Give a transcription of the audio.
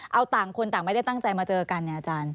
เอาต่างคนต่างไม่ได้ตั้งใจมาเจอกันเนี่ยอาจารย์